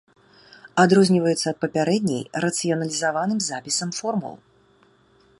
Адрозніваецца ад папярэдняй рацыяналізаваным запісам формул.